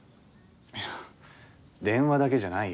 いや電話だけじゃないよ。